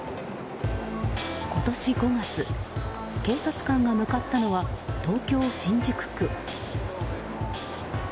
今年５月、警察官が向かったのは東京・新宿区。